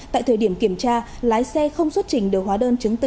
tại thời điểm kiểm tra lái xe không xuất trình được hóa đơn chứng từ